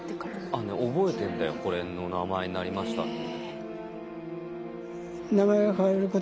覚えてんだよこれの名前になりましたって。